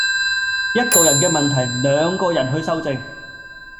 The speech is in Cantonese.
一個人嘅問題，兩個人去修正